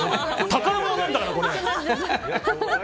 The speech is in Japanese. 宝物なんだから、これ！